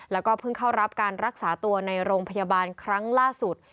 แล้วก็เพิ่งเข้ารับการรักษาตัวในโรงพยาบาลครั้งล่าสุด